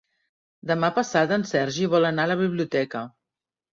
Demà passat en Sergi vol anar a la biblioteca.